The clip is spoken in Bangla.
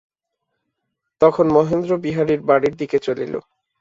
তখন মহেন্দ্র বিহারীর বাড়ির দিকে চলিল।